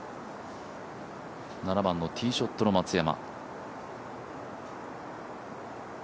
７番のティーショットの松山